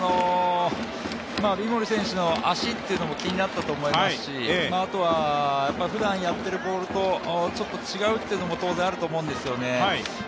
三森選手の足っていうのも気になったと思いますし、あとはふだんやっているボールとちょっと違うというのも当然あると思うんですよね。